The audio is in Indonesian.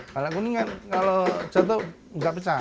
kalau kuningan kalau jatuh nggak pecah